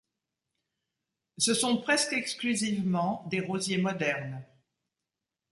Ce sont presque exclusivement des rosiers modernes.